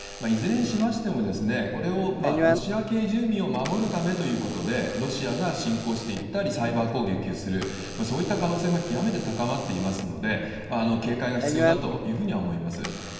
いずれにしましても、これをロシア系住民を守るためということで、ロシアが侵攻していったりサイバー攻撃をする、そういった可能性が極めて高まっていますので、警戒が必要だというふうには思います。